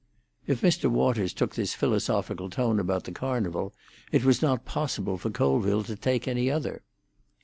If Mr. Waters took this philosophical tone about the Carnival, it was not possible for Colville to take any other.